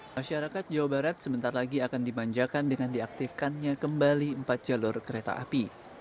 masyarakat jawa barat sebentar lagi akan dimanjakan dengan diaktifkannya kembali empat jalur kereta api